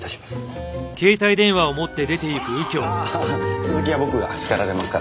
ああ続きは僕が叱られますから。